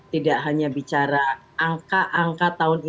tidak hanya bicara angka angka